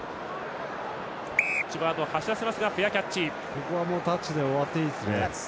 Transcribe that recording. ここはタッチで終わっていいですね。